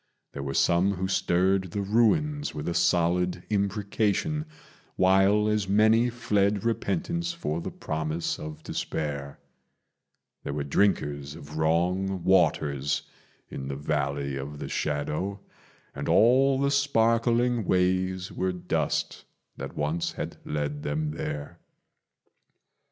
There were some who stirred the ruins with a solid imprecation, While as many fled repentance for the promise of despair: There were drinkers of wrong waters in the Valley of the Shadow, And all the sparkling ways were dust that once had led them there.